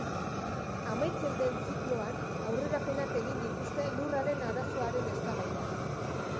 Amaitzen den zikloan aurrerapenak egin dituzte lurraren arazoaren eztabaidan.